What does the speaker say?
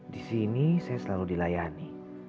di sini saya selalu dilayani